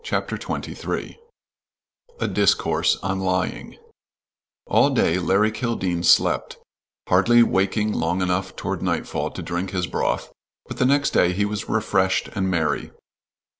CHAPTER XXIII A DISCOURSE ON LYING All day Larry Kildene slept, hardly waking long enough toward nightfall to drink his broth, but the next day he was refreshed and merry.